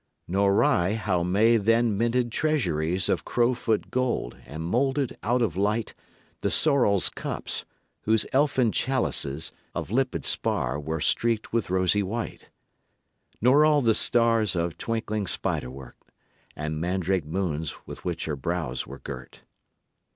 Nor I how May then minted treasuries Of crowfoot gold; and molded out of light The sorrel's cups, whose elfin chalices Of limpid spar were streaked with rosy white. Nor all the stars of twinkling spiderwort, And mandrake moons with which her brows were girt.